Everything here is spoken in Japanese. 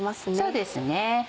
そうですね。